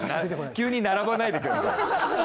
急に並ばないでください。